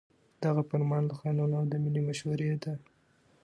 دغه فرمان له قانون او د ملي شـوري د